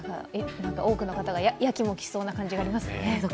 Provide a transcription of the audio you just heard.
多くの方がやきもきしそうな感じがありますね。